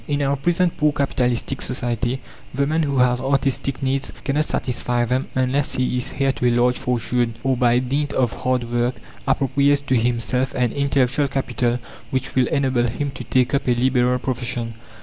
In our present, poor capitalistic society, the man who has artistic needs cannot satisfy them unless he is heir to a large fortune, or by dint of hard work appropriates to himself an intellectual capital which will enable him to take up a liberal profession.